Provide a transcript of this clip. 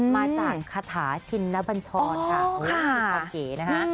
มาจากคาถาชินนบัญชรค่ะเก๋นะคะ